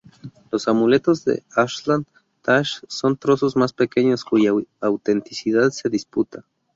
Los amuletos de Arslan Tash son trozos más pequeños cuya autenticidad se disputa.